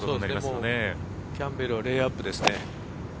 もうキャンベルはレイアップですね。